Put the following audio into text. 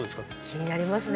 気になりますね